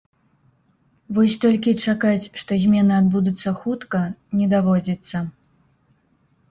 Вось толькі чакаць, што змены адбудуцца хутка, не даводзіцца.